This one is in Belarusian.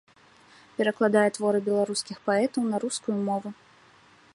Перакладае творы беларускіх паэтаў на рускую мову.